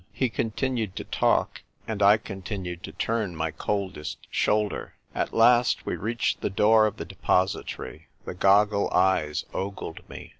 He continued to talk, and I continued to turn my coldest shoulder. At last we reached the door of the Deposi tory, The goggle eyes ogled me.